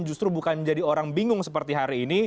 justru bukan menjadi orang bingung sekali